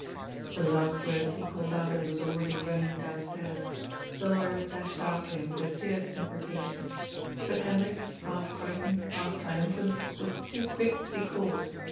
The last words he called out as he was already running downstairs. The lawyer dashed after him with a fierce im* precation. But Hendrik, half frightened, half triumphant, was too quick to be caught.